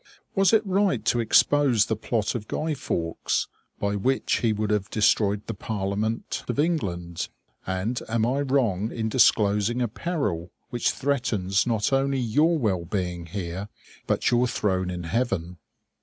Was it right to expose the plot of Guy Fawkes, by which he would have destroyed the Parliament of England? And am I wrong in disclosing a peril which threatens not only your well being here, but your throne in heaven?